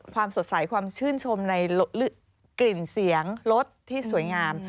สดใสความชื่นชมในกลิ่นเสียงรถที่สวยงาม